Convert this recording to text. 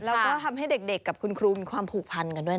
แล้วก็ทำให้เด็กกับคุณครูมีความผูกพันกันด้วยนะ